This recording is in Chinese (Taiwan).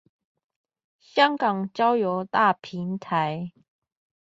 香港交友大平台